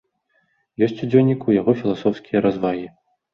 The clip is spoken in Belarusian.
Ёсць у дзённіку і яго філасофскія развагі.